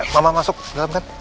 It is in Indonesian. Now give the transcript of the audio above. mama masuk dalam kan